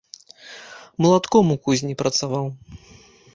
Малатком у кузні працаваў.